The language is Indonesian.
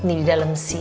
ini di dalam sini